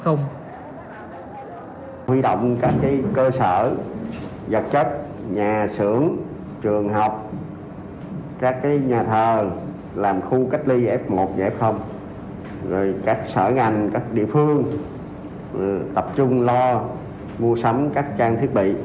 huy động các cơ sở vật chất nhà xưởng trường học các nhà thờ làm khu cách ly f một giải phòng các sở ngành các địa phương tập trung lo mua sắm các trang thiết bị